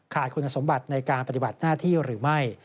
คุณสมบัติในการปฏิบัติหน้าที่หรือไม่